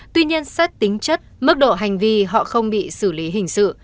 tuy nhiên xét tính chất mức độ hành vi họ không bị xử lý hình sự